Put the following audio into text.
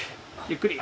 ゆっくり。